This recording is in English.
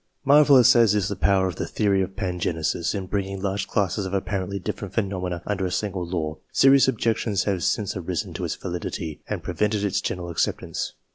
Marvellous as is the power of the theory of pangenesis in bringing large classes of apparently different phenomena under a single law, serious objections have since arisen to its validity, and prevented its general acceptance.